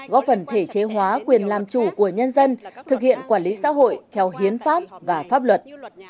góp phần thể chế hóa quyền làm chủ của nhân dân thực hiện quản lý xã hội theo hiến pháp và pháp luật